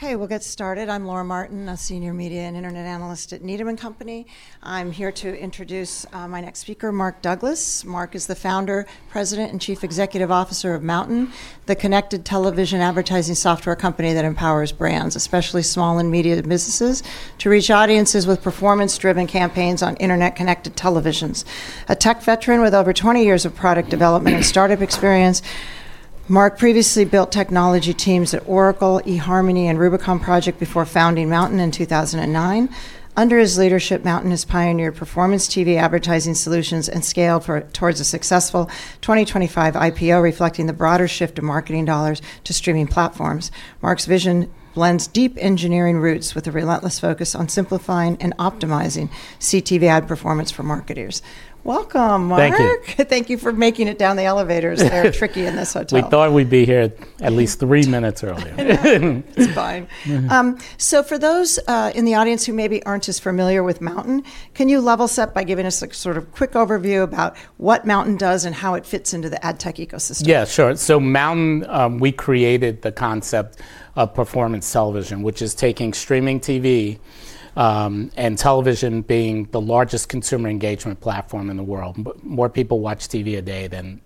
Okay, we'll get started. I'm Laura Martin, a senior media and internet analyst at Needham & Company. I'm here to introduce my next speaker, Mark Douglas. Mark is the founder, president, and Chief Executive Officer of MNTN, the connected television advertising software company that empowers brands, especially small and medium businesses, to reach audiences with performance-driven campaigns on internet-connected televisions. A tech veteran with over 20 years of product development and startup experience, Mark previously built technology teams at Oracle, eHarmony, and Rubicon Project before founding MNTN in 2009. Under his leadership, MNTN has pioneered performance TV advertising solutions and scaled towards a successful 2025 IPO, reflecting the broader shift of marketing dollars to streaming platforms. Mark's vision blends deep engineering roots with a relentless focus on simplifying and optimizing CTV ad performance for marketers. Welcome, Mark. Thank you. Thank you for making it down the elevators. They're tricky in this hotel. We thought we'd be here at least three minutes earlier. It's fine. So for those in the audience who maybe aren't as familiar with MNTN, can you level set by giving us a sort of quick overview about what MNTN does and how it fits into the ad tech ecosystem? Yeah, sure. So, MNTN, we created the concept of performance television, which is taking streaming TV and television being the largest consumer engagement platform in the world. More people watch TV a day than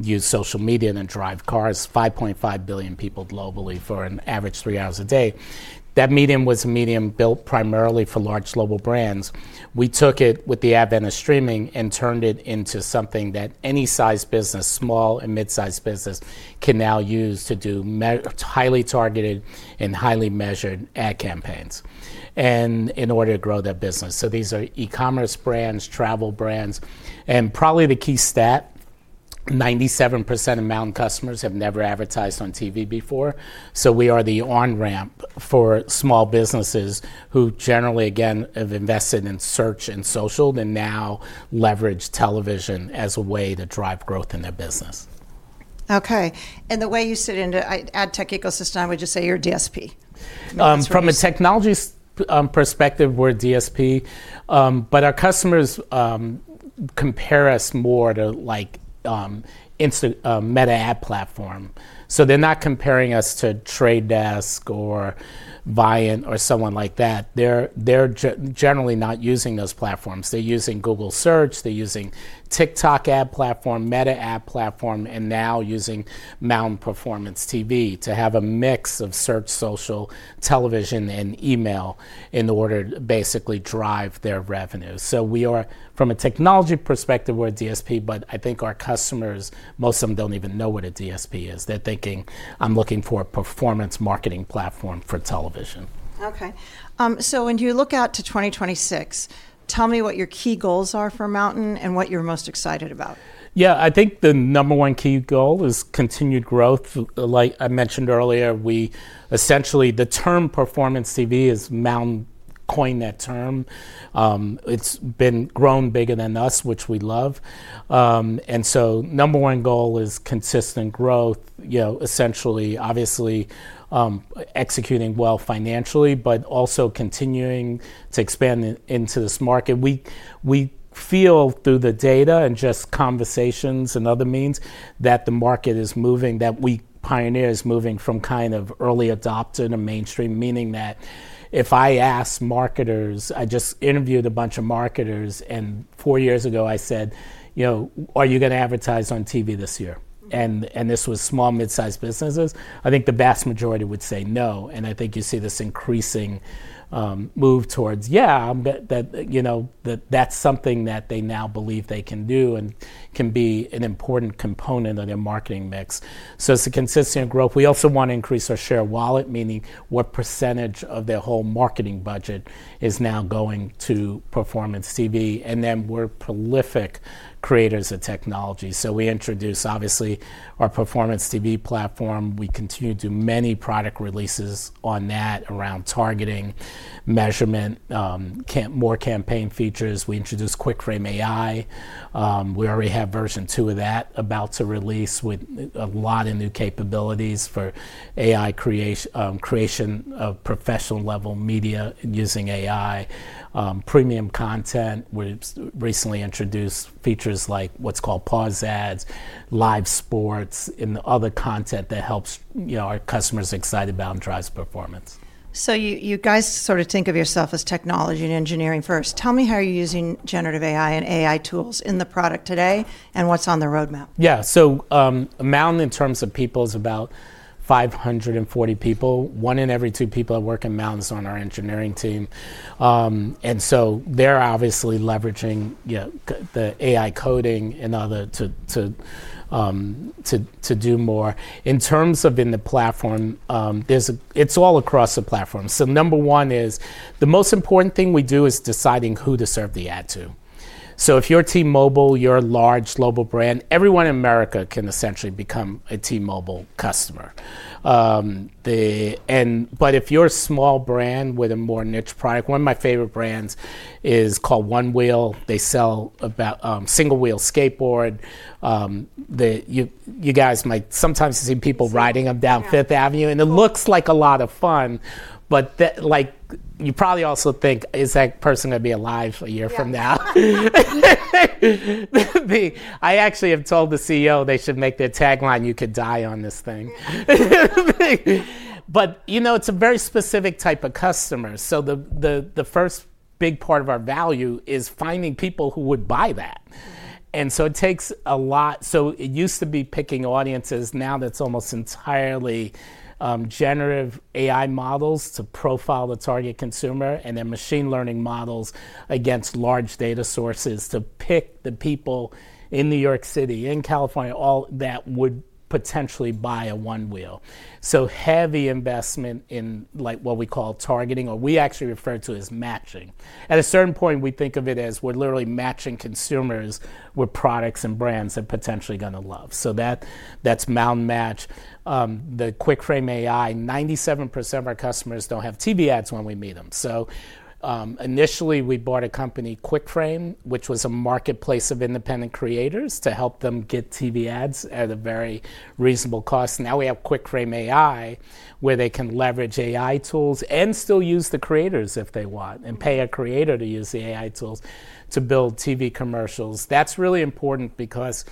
use social media than drive cars, 5.5 billion people globally for an average three hours a day. That medium was a medium built primarily for large global brands. We took it with the advent of streaming and turned it into something that any size business, small and mid-size business, can now use to do highly targeted and highly measured ad campaigns in order to grow that business. So these are e-commerce brands, travel brands, and probably the key stat, 97% of MNTN customers have never advertised on TV before. So we are the on-ramp for small businesses who generally, again, have invested in search and social and now leverage television as a way to drive growth in their business. Okay. And the way you sit in the ad tech ecosystem, I would just say you're a DSP. From a technology perspective, we're a DSP. But our customers compare us more to like Meta ad platform. So they're not comparing us to Trade Desk or Viant or someone like that. They're generally not using those platforms. They're using Google Search. They're using TikTok ad platform, Meta ad platform, and now using MNTN Performance TV to have a mix of search, social, television, and email in order to basically drive their revenue. So we are, from a technology perspective, we're a DSP, but I think our customers, most of them don't even know what a DSP is. They're thinking, "I'm looking for a performance marketing platform for television. Okay. So when you look out to 2026, tell me what your key goals are for MNTN and what you're most excited about. Yeah, I think the number one key goal is continued growth. Like I mentioned earlier, we essentially the term Performance TV is MNTN coined that term. It's been grown bigger than us, which we love. And so number one goal is consistent growth, essentially, obviously executing well financially, but also continuing to expand into this market. We feel through the data and just conversations and other means that the market is moving, that we pioneers moving from kind of early adopter to mainstream, meaning that if I ask marketers, I just interviewed a bunch of marketers, and four years ago I said, "Are you going to advertise on TV this year?" And this was small, mid-size businesses. I think the vast majority would say no. And I think you see this increasing move towards, yeah, that's something that they now believe they can do and can be an important component of their marketing mix. So it's a consistent growth. We also want to increase our share of wallet, meaning what percentage of their whole marketing budget is now going to Performance TV. And then we're prolific creators of technology. So we introduced, obviously, our Performance TV platform. We continue to do many product releases on that around targeting, measurement, more campaign features. We introduced Quick Frame AI. We already have version two of that about to release with a lot of new capabilities for AI creation of professional-level media using AI. Premium content, we recently introduced features like what's called pause ads, live sports, and other content that helps our customers excited about and drives performance. So you guys sort of think of yourself as technology and engineering first. Tell me how you're using generative AI and AI tools in the product today and what's on the roadmap. Yeah. So MNTN, in terms of people, is about 540 people. One in every two people that work in MNTN is on our engineering team. And so they're obviously leveraging the AI coding and other to do more. In terms of in the platform, it's all across the platform. So number one is the most important thing we do is deciding who to serve the ad to. So if you're T-Mobile, you're a large global brand, everyone in America can essentially become a T-Mobile customer. But if you're a small brand with a more niche product, one of my favorite brands is called Onewheel. They sell single-wheel skateboard. You guys might sometimes see people riding them down Fifth Avenue, and it looks like a lot of fun. But you probably also think, "Is that person going to be alive a year from now?" I actually have told the CEO they should make their tagline, "You could die on this thing." But you know it's a very specific type of customer. So the first big part of our value is finding people who would buy that. And so it takes a lot. So it used to be picking audiences. Now that's almost entirely Generative AI models to profile the target consumer and then Machine Learning models against large data sources to pick the people in New York City, in California, all that would potentially buy a Onewheel. So heavy investment in what we call targeting, or we actually refer to as matching. At a certain point, we think of it as we're literally matching consumers with products and brands they're potentially going to love. So that's MNTN Match. The Quick Frame AI, 97% of our customers don't have TV ads when we meet them. So initially, we bought a company, Quick Frame, which was a marketplace of independent creators to help them get TV ads at a very reasonable cost. Now we have Quick Frame AI, where they can leverage AI tools and still use the creators if they want and pay a creator to use the AI tools to build TV commercials. That's really important because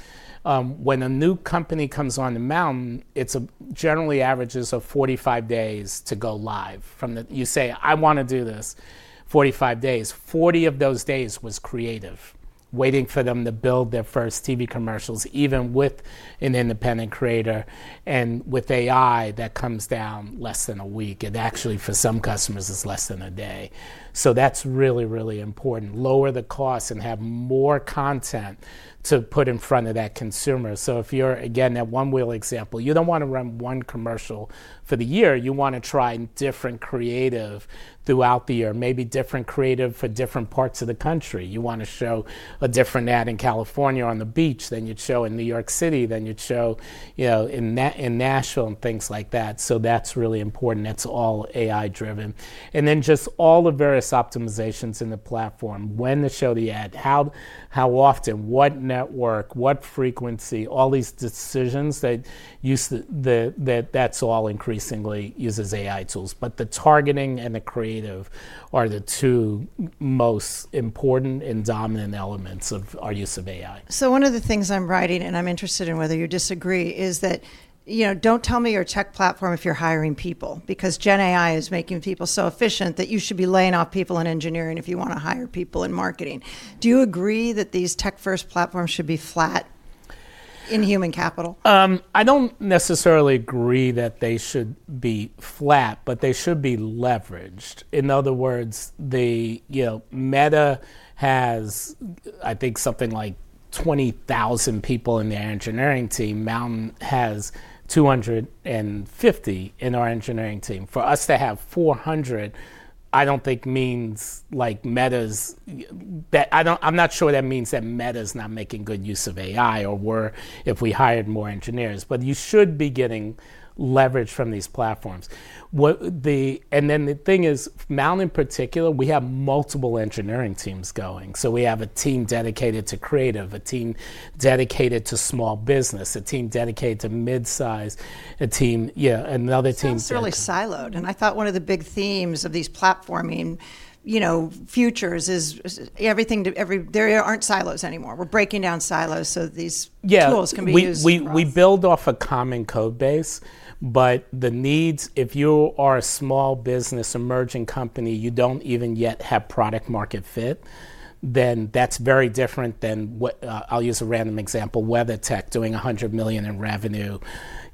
when a new company comes onto MNTN, it generally averages 45 days to go live. You say, "I want to do this," 45 days. 40 of those days was creative, waiting for them to build their first TV commercials, even with an independent creator, and with AI, that comes down less than a week, and actually, for some customers, it's less than a day. So that's really, really important. Lower the cost and have more content to put in front of that consumer. So if you're, again, that Onewheel example, you don't want to run one commercial for the year. You want to try different creative throughout the year, maybe different creative for different parts of the country. You want to show a different ad in California on the beach than you'd show in New York City, than you'd show in Nashville and things like that. So that's really important. That's all AI-driven. And then just all the various optimizations in the platform, when to show the ad, how often, what network, what frequency, all these decisions that use that's all increasingly uses AI tools. But the targeting and the creative are the two most important and dominant elements of our use of AI. So one of the things I'm writing, and I'm interested in whether you disagree, is that don't tell me your tech platform if you're hiring people, because Gen AI is making people so efficient that you should be laying off people in engineering if you want to hire people in marketing. Do you agree that these tech-first platforms should be flat in human capital? I don't necessarily agree that they should be flat, but they should be leveraged. In other words, Meta has, I think, something like 20,000 people in their engineering team. MNTN has 250 in our engineering team. For us to have 400, I don't think means like Meta's. I'm not sure that means that Meta's not making good use of AI or if we hired more engineers. But you should be getting leverage from these platforms. And then the thing is, MNTN in particular, we have multiple engineering teams going. So we have a team dedicated to creative, a team dedicated to small business, a team dedicated to mid-size, a team, another team. It's really siloed, and I thought one of the big themes of these platforming futures is everything, there aren't silos anymore. We're breaking down silos so these tools can be used for. We build off a common code base. But the needs, if you are a small business, emerging company, you don't even yet have product-market fit, then that's very different than—I'll use a random example—WeatherTech doing $100 million in revenue.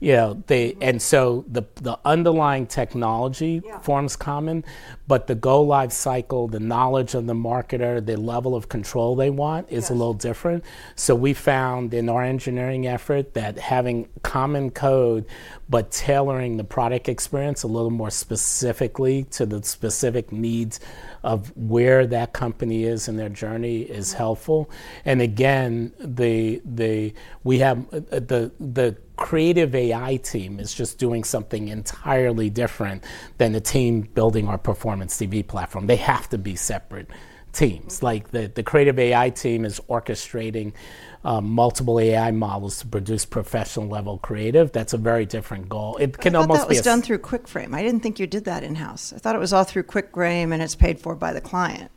And so the underlying technology forms common. But the go-live cycle, the knowledge of the marketer, the level of control they want is a little different. So we found in our engineering effort that having common code but tailoring the product experience a little more specifically to the specific needs of where that company is in their journey is helpful. And again, we have the creative AI team is just doing something entirely different than the team building our Performance TV platform. They have to be separate teams. Like the creative AI team is orchestrating multiple AI models to produce professional-level creative. That's a very different goal. It can almost be. It's done through Quick Frame. I didn't think you did that in-house. I thought it was all through Quick Frame and it's paid for by the client.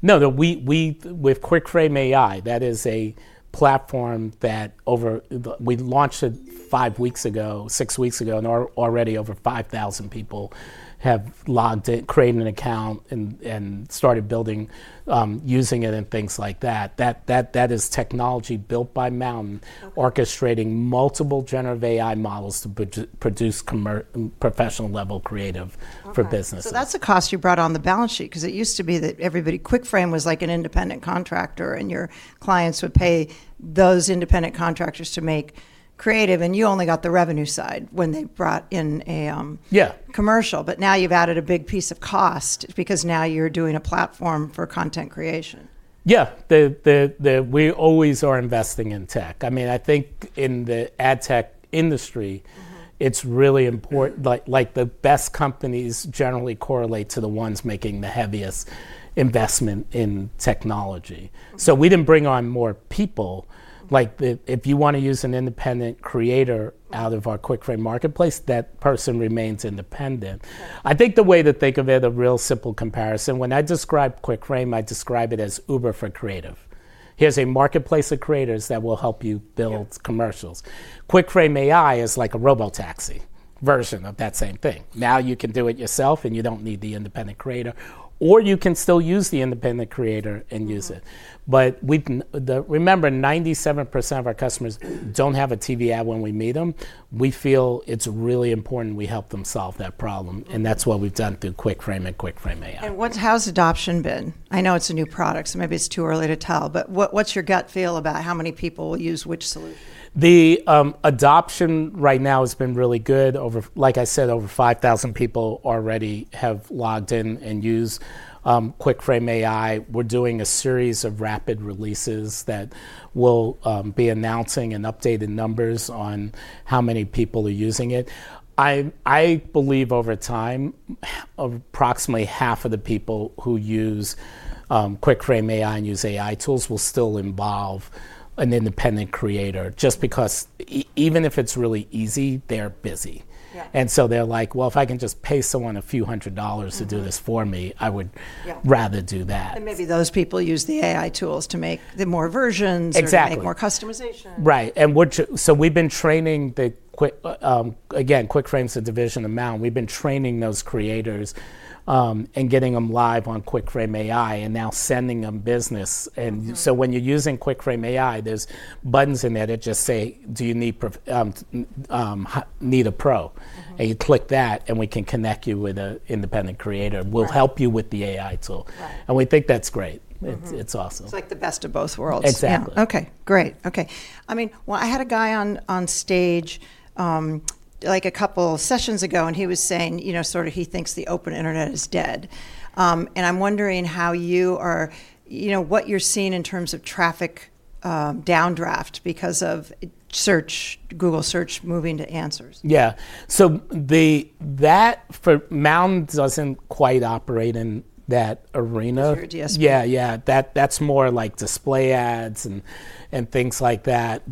No, with Quick Frame AI, that is a platform that we launched five weeks ago, six weeks ago, and already over 5,000 people have logged in, created an account, and started building using it and things like that. That is technology built by MNTN, orchestrating multiple generative AI models to produce professional-level creative for businesses. So that's the cost you brought on the balance sheet, because it used to be that Quick Frame was like an independent contractor, and your clients would pay those independent contractors to make creative. And you only got the revenue side when they brought in a commercial. But now you've added a big piece of cost because now you're doing a platform for content creation. Yeah. We always are investing in tech. I mean, I think in the ad tech industry, it's really important. Like the best companies generally correlate to the ones making the heaviest investment in technology. So we didn't bring on more people. Like if you want to use an independent creator out of our Quick Frame marketplace, that person remains independent. I think the way to think of it, a real simple comparison, when I describe Quick Frame, I describe it as Uber for creative. Here's a marketplace of creators that will help you build commercials. Quick Frame AI is like a robotaxi version of that same thing. Now you can do it yourself, and you don't need the independent creator. Or you can still use the independent creator and use it. But remember, 97% of our customers don't have a TV ad when we meet them. We feel it's really important we help them solve that problem, and that's what we've done through Quick Frame and Quick Frame AI. How's adoption been? I know it's a new product, so maybe it's too early to tell. What's your gut feel about how many people will use which solution? The adoption right now has been really good. Like I said, over 5,000 people already have logged in and use Quick Frame AI. We're doing a series of rapid releases that we'll be announcing and updating numbers on how many people are using it. I believe over time, approximately half of the people who use Quick Frame AI and use AI tools will still involve an independent creator, just because even if it's really easy, they're busy. And so they're like, "Well, if I can just pay someone a few hundred dollars to do this for me, I would rather do that. Maybe those people use the AI tools to make more versions or make more customization. Exactly. Right. So we've been training the, again, Quick Frame's a division of MNTN. We've been training those creators and getting them live on Quick Frame AI and now sending them business. And so when you're using Quick Frame AI, there's buttons in there that just say, "Do you need a pro?" And you click that, and we can connect you with an independent creator. We'll help you with the AI tool. And we think that's great. It's awesome. It's like the best of both worlds. Exactly. OK, great. OK. I mean, well, I had a guy on stage like a couple of sessions ago, and he was saying sort of he thinks the Open Internet is dead. And I'm wondering how you are what you're seeing in terms of traffic downdraft because of Google Search moving to answers. Yeah. So MNTN doesn't quite operate in that arena. Is there a DSP? Yeah, yeah. That's more like display ads and things like that.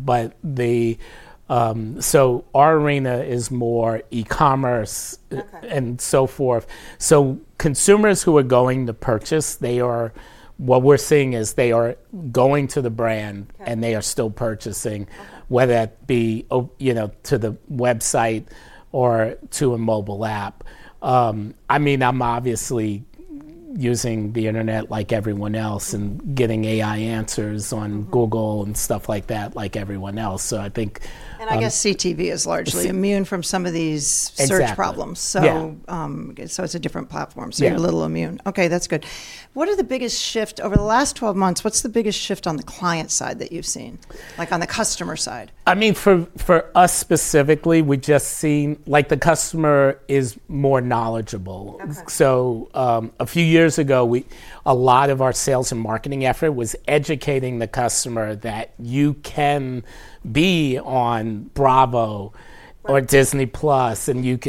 So our arena is more e-commerce and so forth. So consumers who are going to purchase, what we're seeing is they are going to the brand, and they are still purchasing, whether that be to the website or to a mobile app. I mean, I'm obviously using the internet like everyone else and getting AI answers on Google and stuff like that like everyone else. So I think. And I guess CTV is largely immune from some of these search problems. So it's a different platform. So you're a little immune. OK, that's good. What are the biggest shifts over the last 12 months? What's the biggest shift on the client side that you've seen, like on the customer side? I mean, for us specifically, we just see like the customer is more knowledgeable. So a few years ago, a lot of our sales and marketing effort was educating the customer that you can be on Bravo or Disney+, and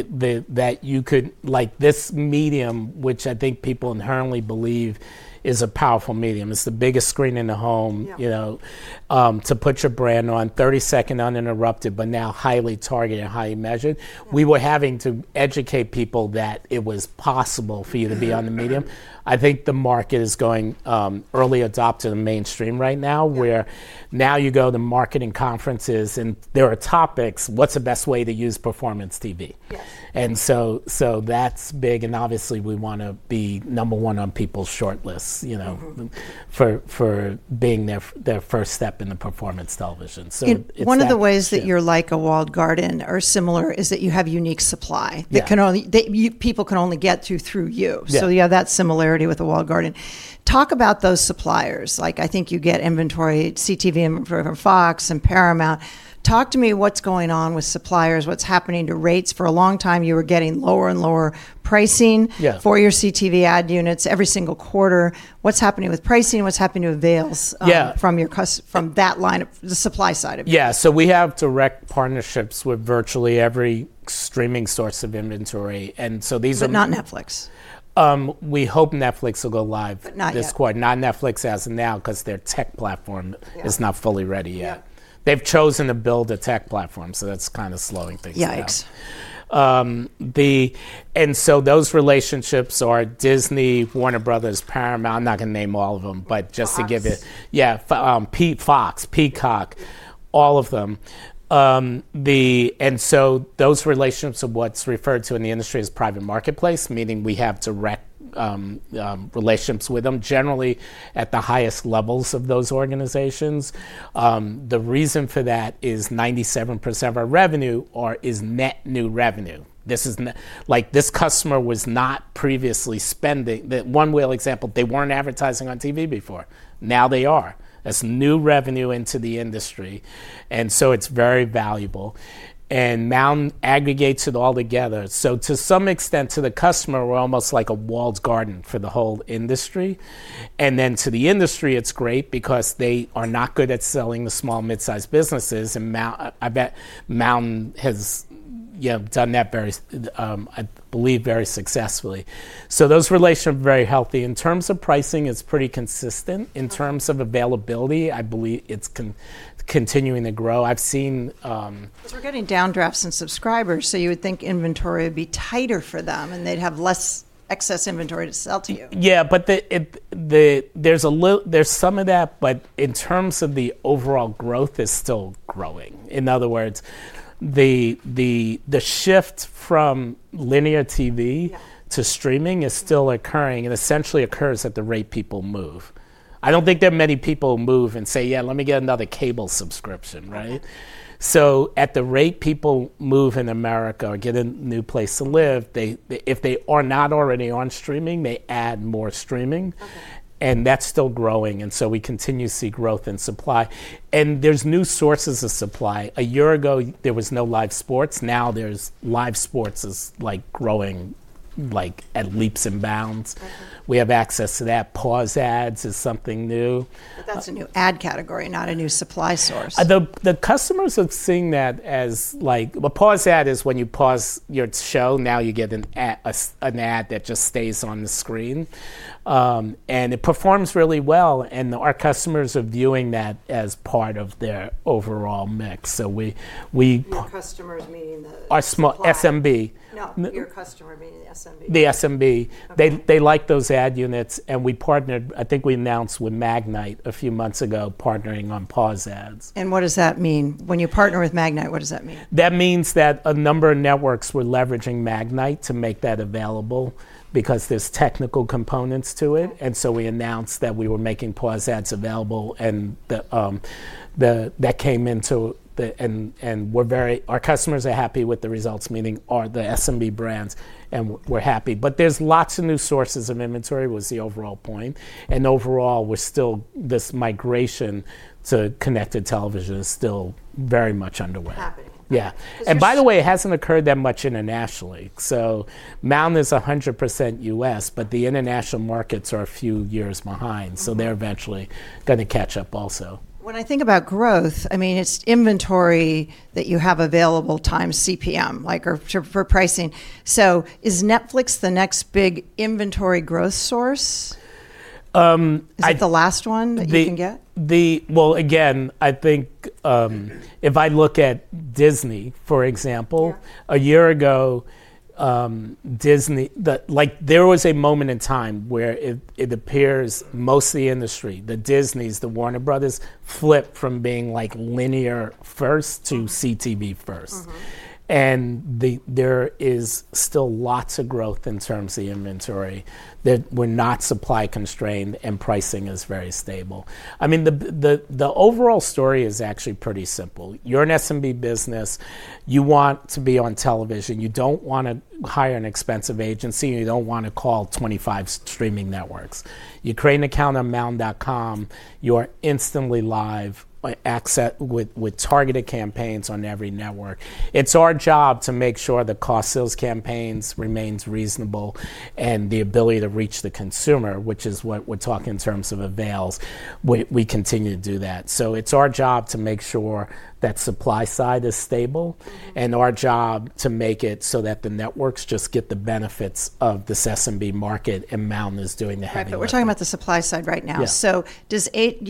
that you could, like this medium, which I think people inherently believe is a powerful medium. It's the biggest screen in the home to put your brand on, 30-second uninterrupted, but now highly targeted, highly measured. We were having to educate people that it was possible for you to be on the medium. I think the market is going early adopter to the mainstream right now, where now you go to marketing conferences, and there are topics, what's the best way to use Performance TV? And so that's big. And obviously, we want to be number one on people's short lists for being their first step in the Performance TV. One of the ways that you're like a walled garden or similar is that you have unique supply that people can only get to through you. So you have that similarity with a walled garden. Talk about those suppliers. Like I think you get inventory CTV for Fox and Paramount. Talk to me what's going on with suppliers, what's happening to rates. For a long time, you were getting lower and lower pricing for your CTV ad units every single quarter. What's happening with pricing? What's happening with sales from that line, the supply side of it? Yeah, so we have direct partnerships with virtually every streaming source of inventory, and so these are. But not Netflix. We hope Netflix will go live this quarter. Not Netflix as of now, because their tech platform is not fully ready yet. They've chosen to build a tech platform, so that's kind of slowing things down. And so those relationships are Disney, Warner Bros., Paramount. I'm not going to name all of them, but just to give it, yeah, Peacock, Fox, all of them. And so those relationships are what's referred to in the industry as private marketplace, meaning we have direct relationships with them, generally at the highest levels of those organizations. The reason for that is 97% of our revenue is net new revenue. This customer was not previously spending. One real example, they weren't advertising on TV before. Now they are. That's new revenue into the industry. And so it's very valuable. And MNTN aggregates it all together. So to some extent, to the customer, we're almost like a walled garden for the whole industry. And then to the industry, it's great because they are not good at selling the small, mid-sized businesses. And MNTN has done that, I believe, very successfully. So those relations are very healthy. In terms of pricing, it's pretty consistent. In terms of availability, I believe it's continuing to grow. I've seen. Because we're getting downloads and subscribers, so you would think inventory would be tighter for them, and they'd have less excess inventory to sell to you. Yeah, but there's some of that. But in terms of the overall growth, it's still growing. In other words, the shift from linear TV to streaming is still occurring. It essentially occurs at the rate people move. I don't think that many people move and say, "Yeah, let me get another cable subscription." Right? So at the rate people move in America or get a new place to live, if they are not already on streaming, they add more streaming. And that's still growing. And so we continue to see growth in supply. And there's new sources of supply. A year ago, there was no live sports. Now there's live sports like growing at leaps and bounds. We have access to that. Pause ads is something new. But that's a new ad category, not a new supply source. The customers are seeing that as like a pause ad is when you pause your show, now you get an ad that just stays on the screen. And it performs really well. And our customers are viewing that as part of their overall mix. So we. Your customers mean the. SMB. No, your customer meaning the SMB. The SMB. They like those ad units. And we partnered, I think we announced with Magnite a few months ago, partnering on pause ads. What does that mean? When you partner with Magnite, what does that mean? That means that a number of networks were leveraging Magnite to make that available because there's technical components to it. And so we announced that we were making pause ads available. And that came into the and our customers are happy with the results, meaning the SMB brands, and we're happy. But there's lots of new sources of inventory, was the overall point. And overall, this migration to connected television is still very much underway. Happening. Yeah. And by the way, it hasn't occurred that much internationally. So MNTN is 100% U.S., but the international markets are a few years behind. So they're eventually going to catch up also. When I think about growth, I mean, it's inventory that you have available times CPM, like for pricing. So is Netflix the next big inventory growth source? Is it the last one that you can get? Again, I think if I look at Disney, for example, a year ago, there was a moment in time where it appears mostly in the street. The Disneys, the Warner Bros., flipped from being like linear first to CTV first. There is still lots of growth in terms of the inventory. We're not supply constrained, and pricing is very stable. I mean, the overall story is actually pretty simple. You're an SMB business. You want to be on television. You don't want to hire an expensive agency. You don't want to call 25 streaming networks. You create an account on mountain.com. You are instantly live with targeted campaigns on every network. It's our job to make sure the cost sales campaigns remain reasonable and the ability to reach the consumer, which is what we're talking in terms of avails. We continue to do that. So it's our job to make sure that supply side is stable and our job to make it so that the networks just get the benefits of this SMB market, and MNTN is doing the heavy lift. But we're talking about the supply side right now. So you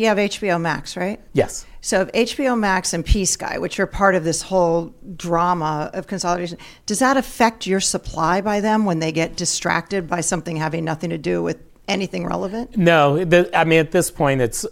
have HBO Max, right? Yes. HBO Max and Peacock, which are part of this whole drama of consolidation, does that affect your supply by them when they get distracted by something having nothing to do with anything relevant? No. I mean, at this point,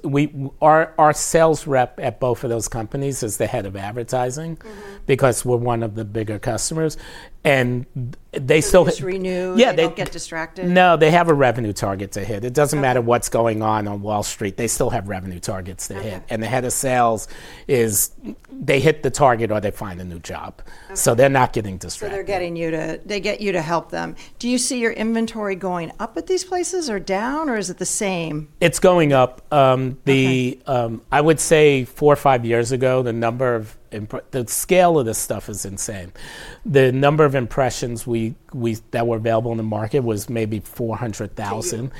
our sales rep at both of those companies is the head of advertising because we're one of the bigger customers. And they still. They just renew. They don't get distracted. Yeah. No, they have a revenue target to hit. It doesn't matter what's going on on Wall Street. They still have revenue targets to hit. And the head of sales, they hit the target or they find a new job. So they're not getting distracted. So they're getting you to help them. Do you see your inventory going up at these places or down, or is it the same? It's going up. I would say four or five years ago, the number of the scale of this stuff is insane. The number of impressions that were available in the market was maybe 400,000,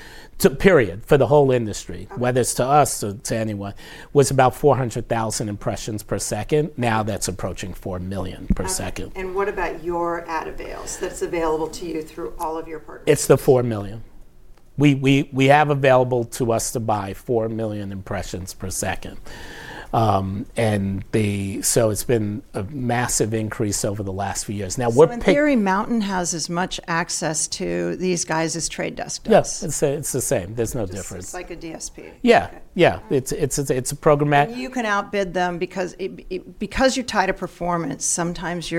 period, for the whole industry, whether it's to us or to anyone. It was about 400,000 impressions per second. Now that's approaching four million per second. What about your ad avails that's available to you through all of your partners? It's the 4 million. We have available to us to buy 4 million impressions per second. And so it's been a massive increase over the last few years. Now we're. So MNTN has as much access to these guys as Trade Desk does? Yes. It's the same. There's no difference. It's like a DSP. Yeah, yeah. It's a programmatic. You can outbid them because you're tied to performance. Sometimes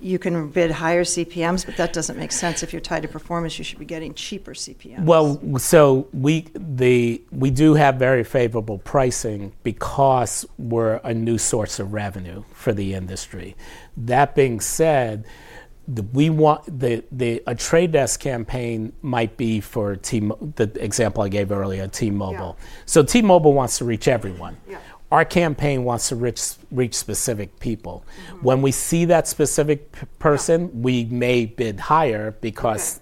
you can bid higher CPMs, but that doesn't make sense. If you're tied to performance, you should be getting cheaper CPMs. Well, so we do have very favorable pricing because we're a new source of revenue for the industry. That being said, a Trade Desk campaign might be for the example I gave earlier, T-Mobile. So T-Mobile wants to reach everyone. Our campaign wants to reach specific people. When we see that specific person, we may bid higher because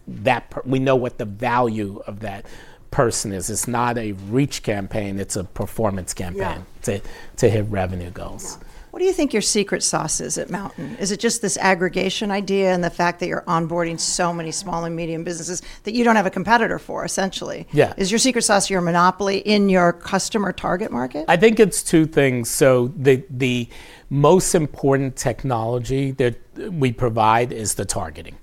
we know what the value of that person is. It's not a reach campaign. It's a performance campaign to hit revenue goals. What do you think your secret sauce is at MNTN? Is it just this aggregation idea and the fact that you're onboarding so many small and medium businesses that you don't have a competitor for, essentially? Yeah. Is your secret sauce your monopoly in your customer target market? I think it's two things, so the most important technology that we provide is the targeting.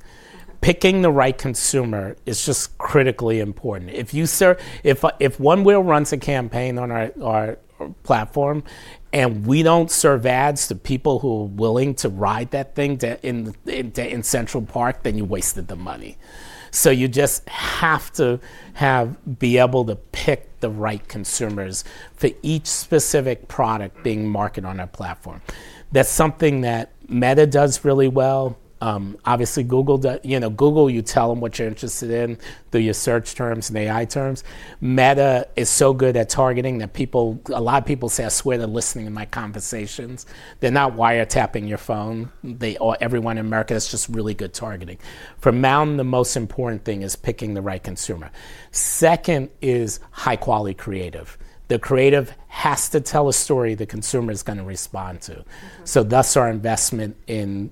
Picking the right consumer is just critically important. If Onewheel runs a campaign on our platform and we don't serve ads to people who are willing to ride that thing in Central Park, then you wasted the money. So you just have to be able to pick the right consumers for each specific product being marketed on our platform. That's something that Meta does really well. Obviously, Google, you tell them what you're interested in through your search terms and AI terms. Meta is so good at targeting that a lot of people say, "I swear they're listening to my conversations." They're not wiretapping your phone. Everyone in America has just really good targeting. For MNTN, the most important thing is picking the right consumer. Second is high-quality creative. The creative has to tell a story the consumer is going to respond to, so thus our investment in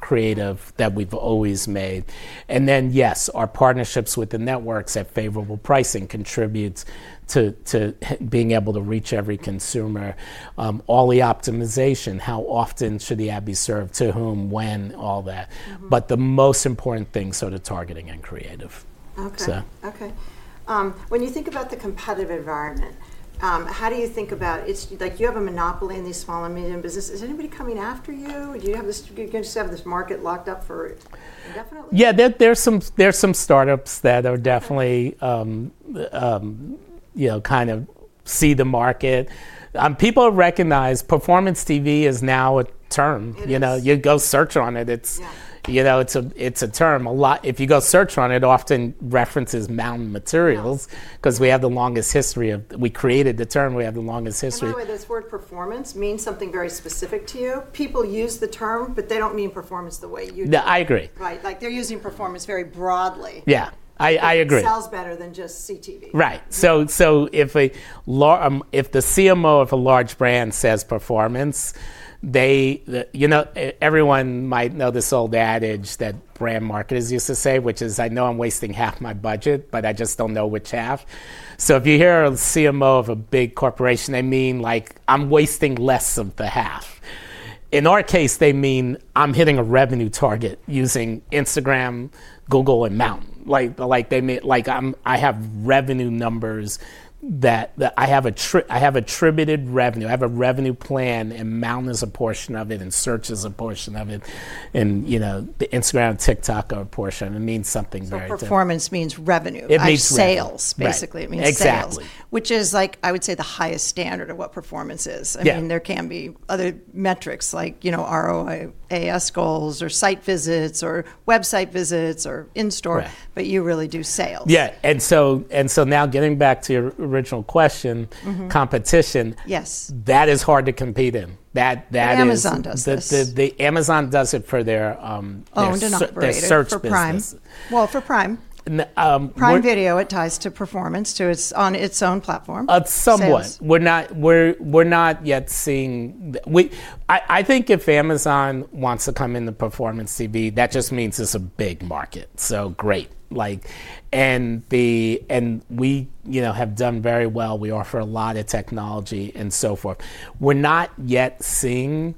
creative that we've always made, and then, yes, our partnerships with the networks at favorable pricing contribute to being able to reach every consumer, all the optimization, how often should the ad be served, to whom, when, all that, but the most important thing is sort of targeting and creative. When you think about the competitive environment, how do you think about it? You have a monopoly in these small and medium businesses. Is anybody coming after you? Do you just have this market locked up for definitely? Yeah, there's some startups that are definitely kind of see the market. People recognize Performance TV is now a term. You go search on it. It's a term. If you go search on it, it often references MNTN because we have the longest history of we created the term. By the way, this word performance means something very specific to you. People use the term, but they don't mean performance the way you do. No, I agree. Right. Like they're using performance very broadly. Yeah, I agree. Which sells better than just CTV. Right. So if the CMO of a large brand says performance, everyone might know this old adage that brand marketers used to say, which is, "I know I'm wasting half my budget, but I just don't know which half." So if you hear a CMO of a big corporation, they mean like, "I'm wasting less of the half." In our case, they mean, "I'm hitting a revenue target using Instagram, Google, and MNTN." Like I have revenue numbers that I have attributed revenue. I have a revenue plan, and MNTN is a portion of it, and search is a portion of it. And Instagram and TikTok are a portion. It means something very different. Performance means revenue. It means sales. Sales, basically. It means sales. Exactly. Which is like, I would say, the highest standard of what performance is. I mean, there can be other metrics like ROAS goals or site visits or website visits or in-store, but you really do sales. Yeah. And so now getting back to your original question, competition, that is hard to compete in. That is. Amazon does this. Amazon does it for their search business. Oh, and they're not for Prime. Well, for Prime. Prime Video, it ties to performance, too. It's on its own platform. Somewhat. We're not yet seeing, I think, if Amazon wants to come into Performance TV, that just means it's a big market. So great. And we have done very well. We offer a lot of technology and so forth. We're not yet seeing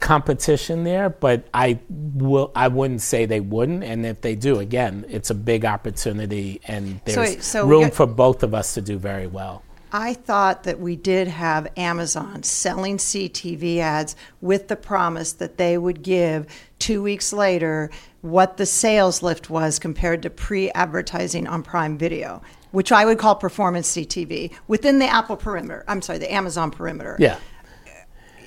competition there, but I wouldn't say they wouldn't. And if they do, again, it's a big opportunity and there's room for both of us to do very well. I thought that we did have Amazon selling CTV ads with the promise that they would give two weeks later what the sales lift was compared to pre-advertising on Prime Video, which I would call performance CTV within the Apple perimeter. I'm sorry, the Amazon perimeter. Yeah.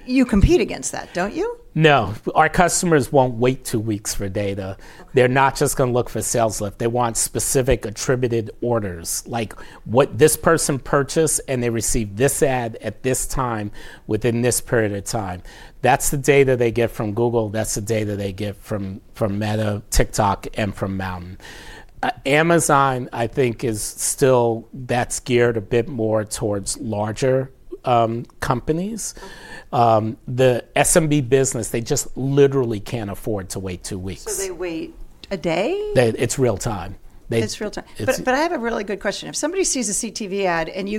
You compete against that, don't you? No. Our customers won't wait two weeks for data. They're not just going to look for sales lift. They want specific attributed orders, like what this person purchased and they received this ad at this time within this period of time. That's the data they get from Google. That's the data they get from Meta, TikTok, and from MNTN. Amazon, I think, is still that's geared a bit more towards larger companies. The SMB business, they just literally can't afford to wait two weeks. They wait a day? It's real time. It's real time. But I have a really good question. If somebody sees a CTV ad and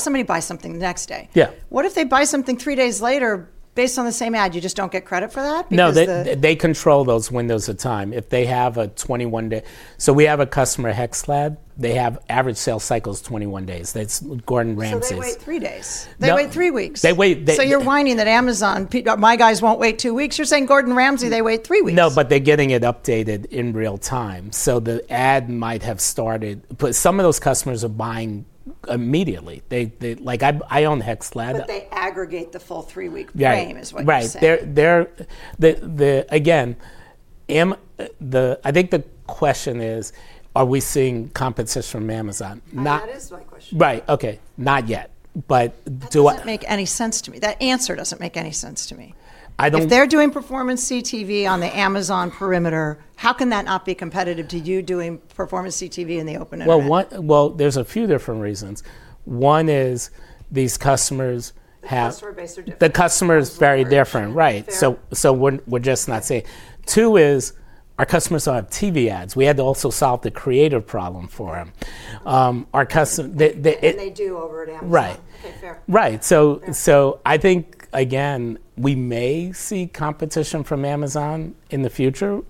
somebody buys something the next day, what if they buy something three days later based on the same ad? You just don't get credit for that? No, they control those windows of time. If they have a 21-day so we have a customer, HexClad. They have average sales cycles 21 days. That's Gordon Ramsay. So they wait three days. They wait three weeks. They wait. So you're whining that Amazon, my guys won't wait two weeks. You're saying Gordon Ramsay, they wait three weeks. No, but they're getting it updated in real time. So the ad might have started. But some of those customers are buying immediately. I own HexClad. But they aggregate the full three-week frame, is what you're saying? Right. Again, I think the question is, are we seeing competition from Amazon? That is my question. Right. OK. Not yet. That doesn't make any sense to me. That answer doesn't make any sense to me. If they're doing performance CTV on the Amazon perimeter, how can that not be competitive to you doing performance CTV in the open area? Well, there's a few different reasons. One is these customers have. The customer base are different. The customer is very different. Right. So we're just not seeing too. Our customers don't have TV ads. We had to also solve the creative problem for them. They do over at Amazon. Right. Right. So I think, again, we may see competition from Amazon in the future,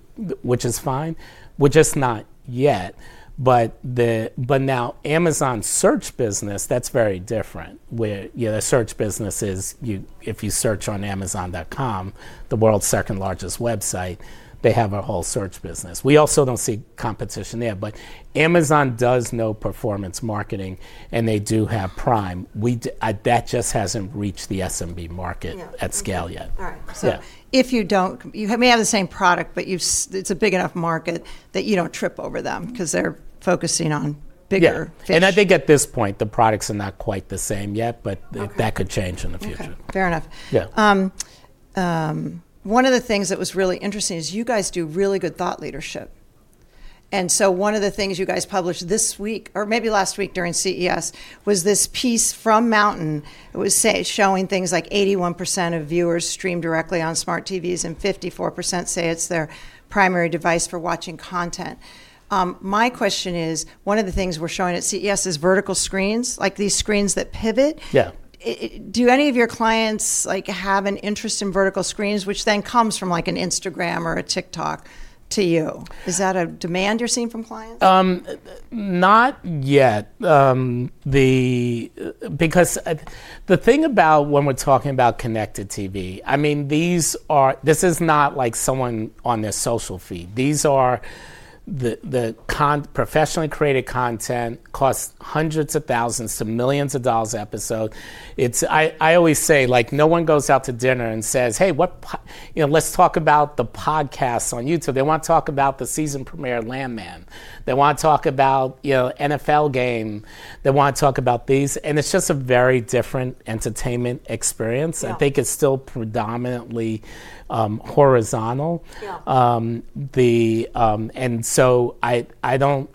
which is fine. We're just not yet. But now Amazon search business, that's very different. The search business is if you search on amazon.com, the world's second largest website, they have a whole search business. We also don't see competition there. But Amazon does know performance marketing, and they do have Prime. That just hasn't reached the SMB market at scale yet. All right. So if you don't, you may have the same product, but it's a big enough market that you don't trip over them because they're focusing on bigger fish. Yeah, and I think at this point, the products are not quite the same yet, but that could change in the future. Fair enough. One of the things that was really interesting is you guys do really good thought leadership. And so one of the things you guys published this week or maybe last week during CES was this piece from MNTN. It was showing things like 81% of viewers stream directly on smart TVs, and 54% say it's their primary device for watching content. My question is, one of the things we're showing at CES is vertical screens, like these screens that pivot. Yeah. Do any of your clients have an interest in vertical screens, which then comes from like an Instagram or a TikTok to you? Is that a demand you're seeing from clients? Not yet. Because the thing about when we're talking about connected TV, I mean, this is not like someone on their social feed. These are the professionally created content costs hundreds of thousands to millions of dollars an episode. I always say, no one goes out to dinner and says, hey, let's talk about the podcasts on YouTube. They want to talk about the season premiere of Landman. They want to talk about NFL game. They want to talk about these. And it's just a very different entertainment experience. I think it's still predominantly horizontal. And so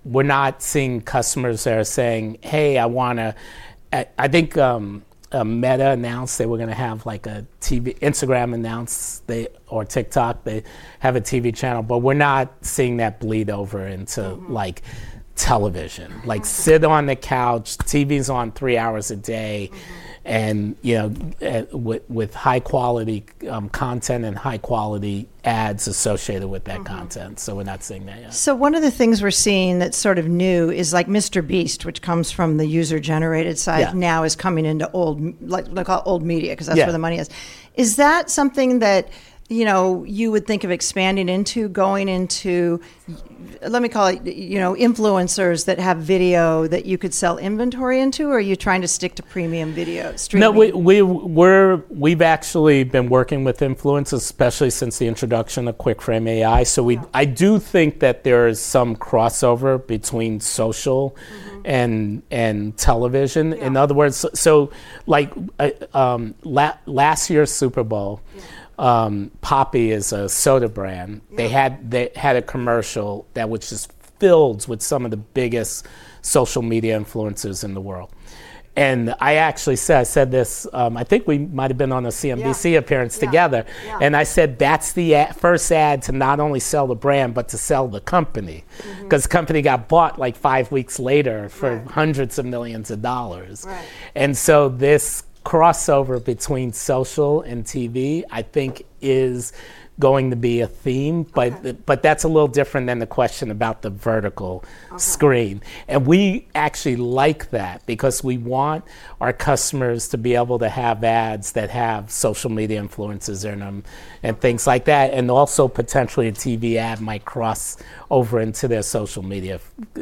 we're not seeing customers that are saying, hey, I want to, I think Meta announced they were going to have like an Instagram announcement or TikTok. They have a TV channel. But we're not seeing that bleed over into television. Like, sit on the couch. TV is on three hours a day with high-quality content and high-quality ads associated with that content. So we're not seeing that yet. So one of the things we're seeing that's sort of new is like MrBeast, which comes from the user-generated side, now is coming into old, like old media, because that's where the money is. Is that something that you would think of expanding into, going into, let me call it influencers that have video that you could sell inventory into? Or are you trying to stick to premium video streaming? No, we've actually been working with influencers, especially since the introduction of Quick Frame AI. So I do think that there is some crossover between social and television. In other words, so like last year's Super Bowl, Poppi is a soda brand. They had a commercial that was just filled with some of the biggest social media influencers in the world. And I actually said, I said this, I think we might have been on a CNBC appearance together. And I said, that's the first ad to not only sell the brand, but to sell the company. Because the company got bought like five weeks later for hundreds of millions of dollars. And so this crossover between social and TV, I think, is going to be a theme. But that's a little different than the question about the vertical screen. And we actually like that because we want our customers to be able to have ads that have social media influencers in them and things like that. And also potentially a TV ad might cross over into their social media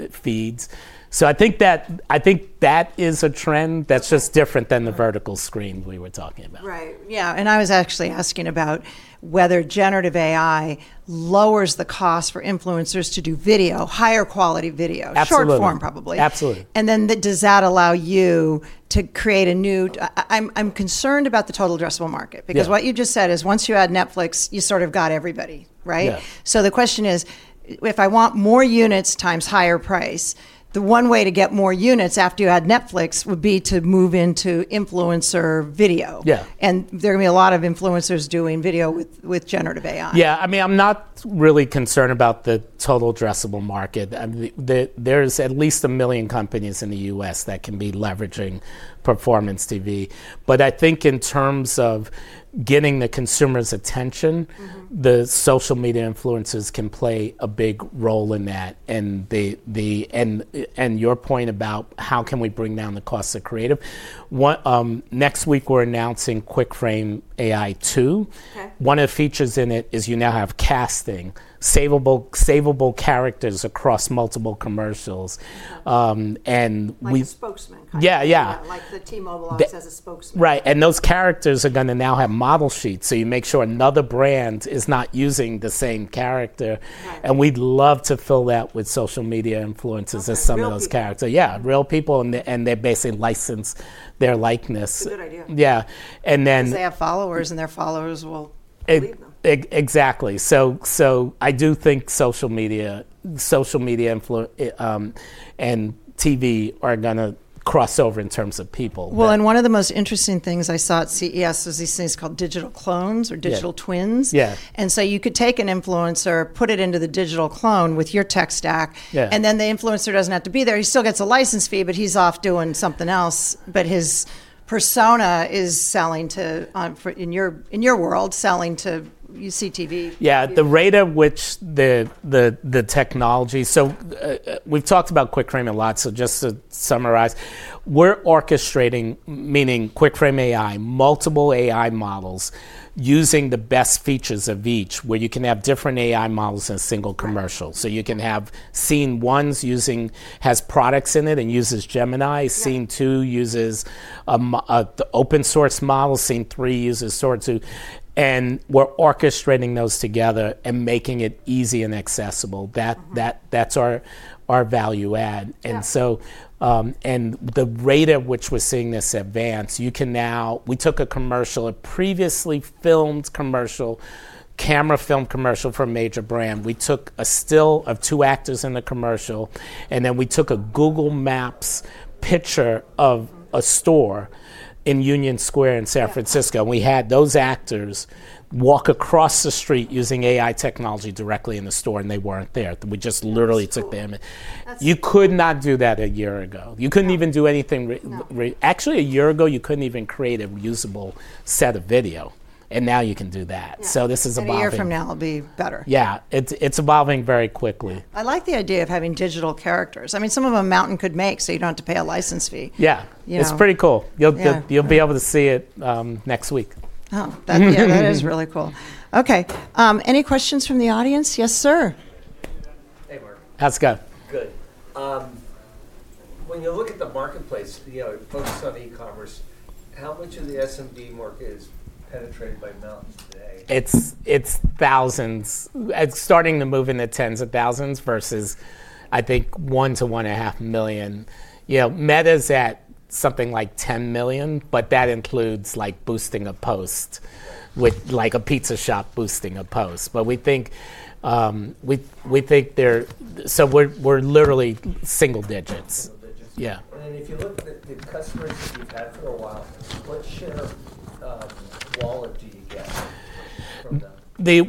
feeds. So I think that is a trend that's just different than the vertical screen we were talking about. Right. Yeah. And I was actually asking about whether generative AI lowers the cost for influencers to do video, higher quality video, short form probably. Absolutely. Absolutely. And then, does that allow you to create a new? I'm concerned about the total addressable market. Because what you just said is once you add Netflix, you sort of got everybody. Right? So the question is, if I want more units times higher price, the one way to get more units after you add Netflix would be to move into influencer video. Yeah. And there are going to be a lot of influencers doing video with generative AI. Yeah. I mean, I'm not really concerned about the total addressable market. There's at least a million companies in the U.S. that can be leveraging Performance TV. But I think in terms of getting the consumer's attention, the social media influencers can play a big role in that. And your point about how can we bring down the cost of creative, next week we're announcing Quick Frame AI 2. One of the features in it is you now have casting, saveable characters across multiple commercials. And we. Like, spokesman kind of. Yeah, yeah. Like the T-Mobile office has a spokesman. Right. And those characters are going to now have model sheets so you make sure another brand is not using the same character. And we'd love to fill that with social media influencers as some of those characters. Yeah, real people. And they basically license their likeness. That's a good idea. Yeah, and then. Because they have followers, and their followers will believe them. Exactly. So I do think social media and TV are going to cross over in terms of people. One of the most interesting things I saw at CES was these things called digital clones or digital twins. Yeah. And so you could take an influencer, put it into the digital clone with your tech stack. And then the influencer doesn't have to be there. He still gets a license fee, but he's off doing something else. But his persona is selling to, in your world, selling to CTV. Yeah. The rate at which the technology so we've talked about Quick Frame a lot. So just to summarize, we're orchestrating, meaning Quick Frame AI, multiple AI models using the best features of each, where you can have different AI models in a single commercial. So you can have Scene 1 has products in it and uses Gemini. Scene 2 uses the open-source model. Scene 3 uses Sora. And we're orchestrating those together and making it easy and accessible. That's our value add. And the rate at which we're seeing this advance, you know, we took a commercial, a previously filmed commercial, a camera-filmed commercial for a major brand. We took a still of two actors in the commercial. And then we took a Google Maps picture of a store in Union Square in San Francisco. We had those actors walk across the street using AI technology directly in the store, and they weren't there. We just literally took them. You could not do that a year ago. You couldn't even do anything actually, a year ago, you couldn't even create a usable set of video. Now you can do that. This is evolving. A year from now will be better. Yeah. It's evolving very quickly. I like the idea of having digital characters. I mean, some of them MNTN could make so you don't have to pay a license fee. Yeah. It's pretty cool. You'll be able to see it next week. Oh, that is really cool. OK. Any questions from the audience? Yes, sir. Hey, Mark. How's it going? Good. When you look at the marketplace, focus on e-commerce, how much of the SMB market is penetrated by MNTN today? It's thousands. It's starting to move into tens of thousands versus, I think, one to one and a half million. Meta's at something like 10 million, but that includes boosting a post, like a pizza shop boosting a post. But we think they're so we're literally single digits. Single digits. Yeah. If you look at the customers that you've had for a while, what share of wallet do you get from them?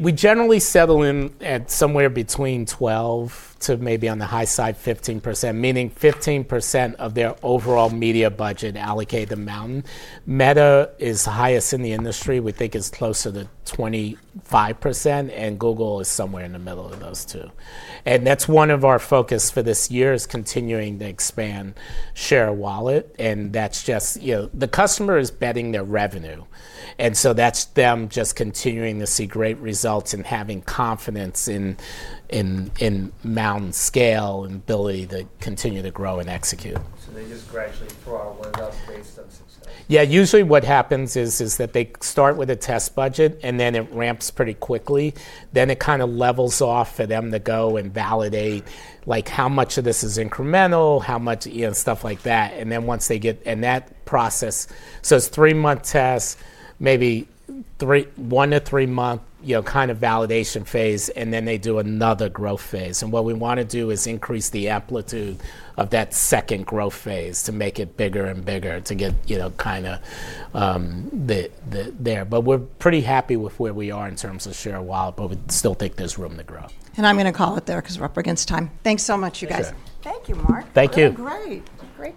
We generally settle in at somewhere between 12% to maybe on the high side, 15%, meaning 15% of their overall media budget allocated to MNTN. Meta is highest in the industry. We think it's close to the 25%, and Google is somewhere in the middle of those two, and that's one of our focuses for this year is continuing to expand share of wallet. That's just the customer is betting their revenue, and so that's them just continuing to see great results and having confidence in MNTN's scale and ability to continue to grow and execute. So they just gradually throw out one of those based on success? Yeah. Usually what happens is that they start with a test budget, and then it ramps pretty quickly. Then it kind of levels off for them to go and validate how much of this is incremental, how much stuff like that. And then once they get and that process, so it's three-month test, maybe one to three-month kind of validation phase. And then they do another growth phase. And what we want to do is increase the amplitude of that second growth phase to make it bigger and bigger to get kind of there. But we're pretty happy with where we are in terms of Share of Wallet. But we still think there's room to grow. And I'm going to call it there because we're up against time. Thanks so much, you guys. Thank you. Thank you, Mark. Thank you. Oh, great. Great.